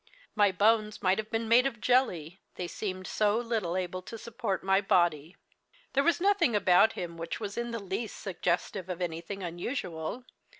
My bones might have been made of jelly, they seemed so little able to support my body. There was nothing about him which was in the least suggestive of anything unusual.